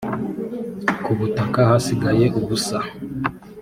ku butaka hasigaye ubusa